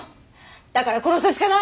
だから殺すしかない。